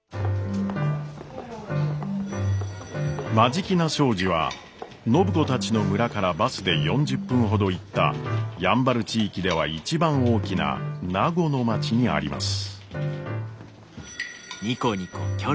眞境名商事は暢子たちの村からバスで４０分ほど行ったやんばる地域では一番大きな名護の町にあります。